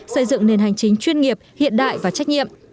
xây dựng nền hành chính chuyên nghiệp hiện đại và trách nhiệm